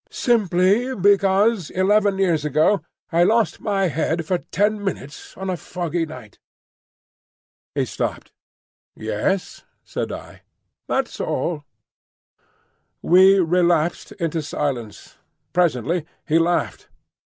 Simply because eleven years ago—I lost my head for ten minutes on a foggy night." He stopped. "Yes?" said I. "That's all." We relapsed into silence. Presently he laughed.